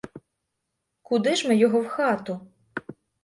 Куди ж ми його в хату?